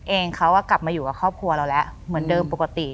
เองเขาก็กลับมาอยู่กับครอบครัวเราแล้วเหมือนเดิมปกติ